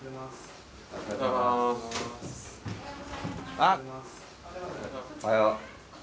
あっおはよう。